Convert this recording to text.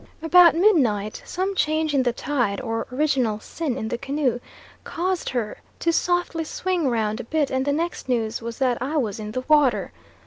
About midnight some change in the tide, or original sin in the canoe, caused her to softly swing round a bit, and the next news was that I was in the water.